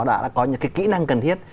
đã có những cái kỹ năng cần thiết